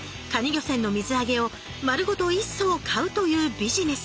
漁船の水揚げを丸ごと一艘買うというビジネス。